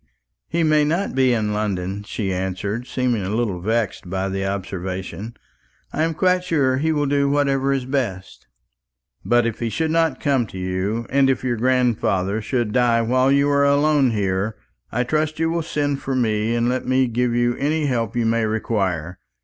"He may not be in London," she answered, seeming a little vexed by the observation. "I am quite sure that he will do whatever is best." "But if he should not come to you, and if your grandfather should die while you are alone here, I trust you will send for me and let me give you any help you may require.